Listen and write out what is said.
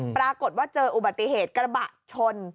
ปรากฏว่าเจออุบัติเหตุกระบะชน